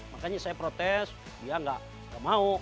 makanya saya protes dia nggak mau